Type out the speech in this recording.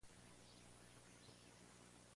Estafas de impuestos